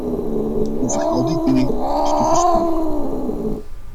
Over al die dingen heeft u gesproken.